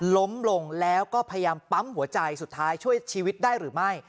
ล้มลงแล้วก็พยายามปั๊มหัวใจสุดท้ายช่วยชีวิตได้หรือไม่